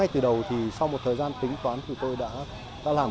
đưa thương binh về trạm